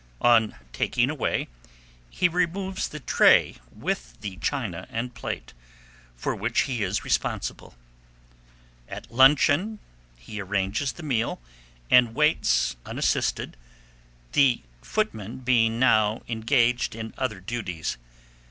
On taking away, he removes the tray with the china and plate, for which he is responsible. At luncheon, he arranges the meal, and waits unassisted, the footman being now engaged in other duties.